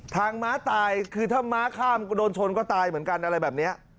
ม้าตายคือถ้าม้าข้ามก็โดนชนก็ตายเหมือนกันอะไรแบบนี้